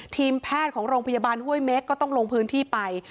ทีมแพทย์ของโรงพยาบาลห้วยเม็กก็ต้องลงพื้นที่ไป